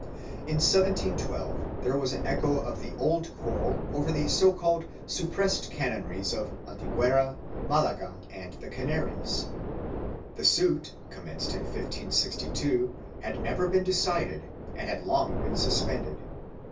In 1712 there was an echo of the old quarrel over the so called suppressed canonries of Antequera, Malaga and the Canaries (p. 342). The suit, commenced in 1562, had never been decided and had long been suspended.